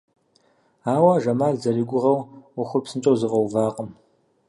Ауэ Жамал зэригугъэу ӏуэхур псынщӏэу зэфӏэувакъым.